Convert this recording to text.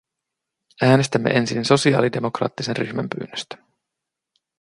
Äänestämme ensin sosialidemokraattisen ryhmän pyynnöstä.